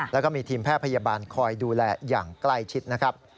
แล้วก็มีทีมแพทย์พยาบาลคอยดูแลอย่างใกล้ชิดนะครับ